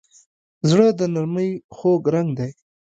زړه د نرمۍ خوږ رنګ دی.